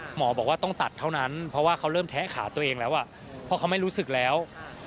หมอบอกว่าต้องตัดเท่านั้นเพราะว่าเขาเริ่มแทะขาตัวเองแล้วเพราะเขาไม่รู้สึกแล้ว